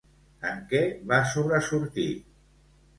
En què va sobresortir?